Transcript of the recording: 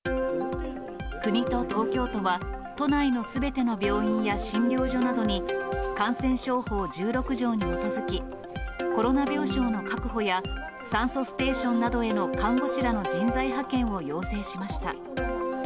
国と東京都は、都内のすべての病院や診療所などに、感染症法１６条に基づき、コロナ病床の確保や酸素ステーションなどへの看護師らの人材派遣を要請しました。